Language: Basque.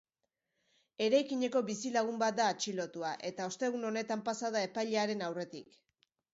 Eraikineko bizilagun bat da atxilotua, eta ostegun honetan pasa da epailearen aurretik.